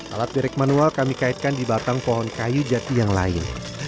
alat derek manual kami kaitkan di batang pohon kayu jati yang lain